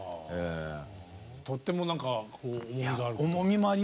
とっても何かこう重みがある。